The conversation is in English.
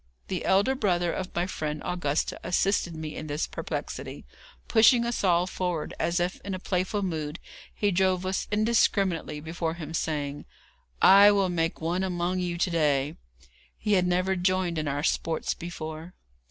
The elder brother of my friend Augustus assisted me in this perplexity. Pushing us all forward, as if in a playful mood, he drove us indiscriminately before him, saying: 'I will make one among you to day.' He had never joined in our sports before.